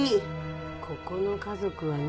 ここの家族はね